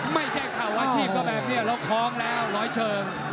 เข่าอาชีพก็แบบนี้แล้วคล้องแล้วร้อยเชิง